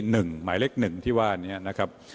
หนึ่งหมายเล็กหนึ่งที่ว่านี้นะครับ